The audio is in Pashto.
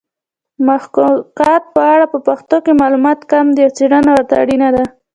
محاکات په اړه په پښتو کې معلومات کم دي او څېړنه ورته اړینه ده